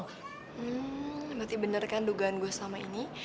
hmm berarti bener kan dugaan gue selama ini